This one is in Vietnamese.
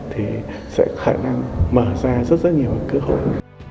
thì sẽ có khả năng mở ra rất nhiều cơ hội